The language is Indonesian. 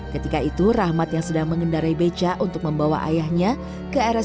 ketika itu rahmat yang sedang mengendarai beca untuk membawa ayahnya ke rsud